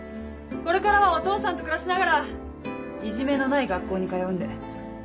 これからはお父さんと暮らしながらいじめのない学校に通うんで。